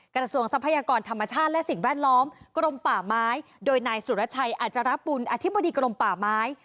ทรัพยากรธรรมชาติและสิ่งแวดล้อมกรมป่าไม้โดยนายสุรชัยอาจารบุญอธิบดีกรมป่าไม้